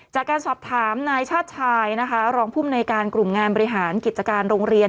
จากการสอบถามนายชาติชายนะคะรองภูมิในการกลุ่มงานบริหารกิจการโรงเรียน